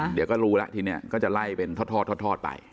เดี๋ยวก็รู้แล้วทีนี้ก็จะไล่เป็นทอดไป